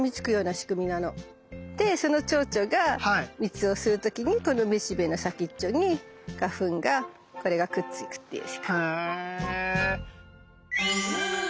でそのチョウチョが蜜を吸う時にこのめしべの先っちょに花粉がこれがくっつくっていう仕組み。へ。